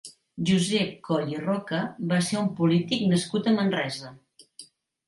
Josep Coll i Roca va ser un polític nascut a Manresa.